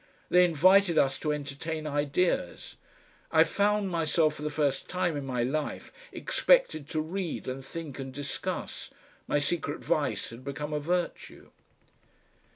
They invited us to entertain ideas; I found myself for the first time in my life expected to read and think and discuss, my secret vice had become a virtue.